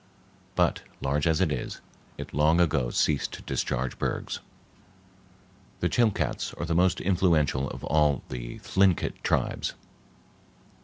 But, large as it is, it long ago ceased to discharge bergs. The Chilcats are the most influential of all the Thlinkit tribes.